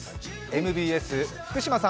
ＭＢＳ、福島さん